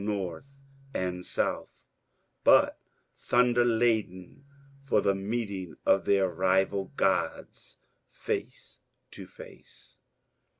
North and South, — but thunder laden for the meeting of their rival gods face to face.